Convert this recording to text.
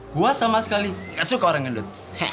gua sama sekali gak suka orang gendut